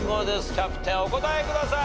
キャプテンお答えください。